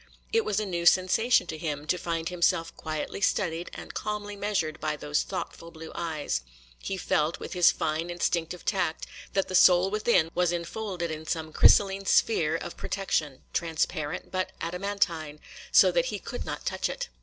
It was a new sensation to him, to find himself quietly studied and calmly measured by those thoughtful blue eyes; he felt, with his fine instinctive tact, that the soul within was enfolded in some crystalline sphere of protection, transparent, but adamantine, so that he could not touch it.